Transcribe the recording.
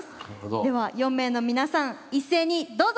では４名の皆さん一斉にどうぞ！